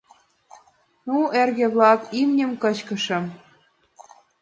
Ну, эрге-влак, имньым кычкышым.